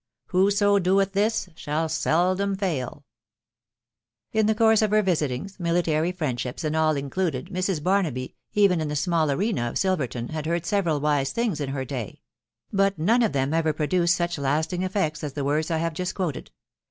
Whoso doeth this, shall sel dom fail." In the course of her visitingg, military friendships and all included, Mrs. Barnaby, even in the small arena of Silverton, had heard several wise things in her day ; but none of them ever produced such lasting effect as the words I have just quoted.